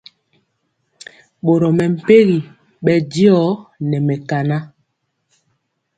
Boro mɛmpegi bɛndiɔ nɛ mɛkanan.